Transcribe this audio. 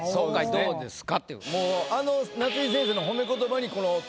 どうですか？